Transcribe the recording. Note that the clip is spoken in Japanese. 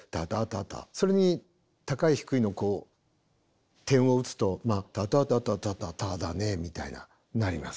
それに高い低いの点を打つと「タタタタタタタだね」みたいななります。